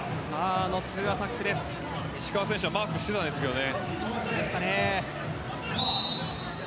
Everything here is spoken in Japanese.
石川選手はマークしていたんですけどね。